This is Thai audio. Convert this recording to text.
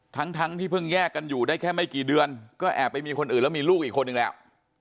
ทั้งที่เพิ่งแยกกันอยู่ได้แค่ไม่กี่เดือนก็แอบไปมีคนอื่นแล้วมีลูกอีกคนนึงแล้ว